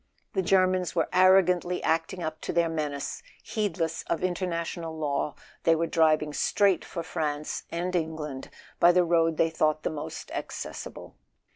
The Germans were arrogantly acting up to their menace: heedless of international law, they were driving straight for France and Eng¬ land by the road they thought the most accessible.